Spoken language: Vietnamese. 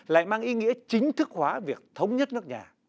lại mang ý nghĩa chính thức hóa việc thống nhất nước nhà